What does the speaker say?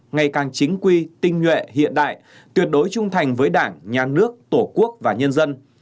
ngày càng chính quy tinh nhuệ hiện đại tuyệt đối trung thành với đảng nhà nước tổ quốc và nhân dân